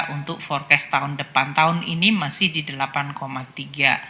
untuk forecast tahun depan tahun ini masih di delapan tiga